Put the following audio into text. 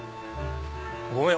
ごめん